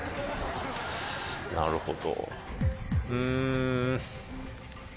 なるほど。